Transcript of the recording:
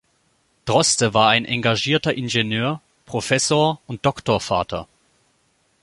Droste war ein engagierter Ingenieur, Professor und Doktorvater.